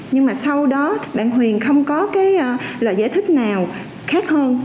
nhưng mà sau đó bạn huyền không có cái lời giải thích nào khác hơn